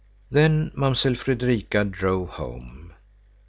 Then Mamsell Fredrika drove home.